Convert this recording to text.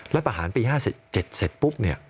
แล้วประหารปี๕๗เสร็จปุ๊บเนี่ย